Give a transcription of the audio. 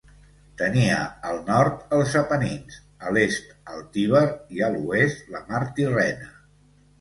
Tenia al nord els Apenins, a l'est el Tíber i a l'oest la mar Tirrena.